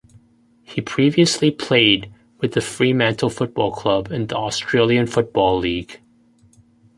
He previously played with the Fremantle Football Club in the Australian Football League.